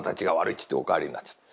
っつってお帰りになっちゃった。